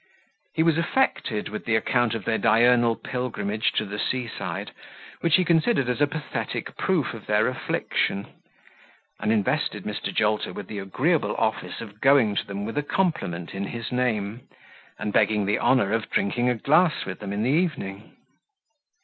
He was affected with the account of their diurnal pilgrimage to the sea side, which he considered as a pathetic proof of their affliction, and invested Mr. Jolter with the agreeable office of going to them with a compliment in his name, and begging the honour of drinking a glass with them in the evening.